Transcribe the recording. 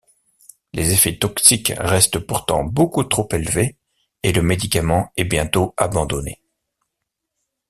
Les effets toxiques restent pourtant beaucoup trop élevés, et le médicament est bientôt abandonné.